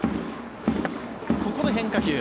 ここで変化球。